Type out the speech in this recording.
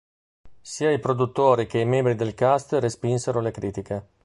Sia i produttori che i membri del cast respinsero le critiche.